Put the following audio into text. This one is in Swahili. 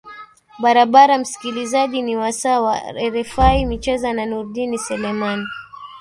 barabara msikilizaji ni wasaa wa rfi micheza na nurdin seleman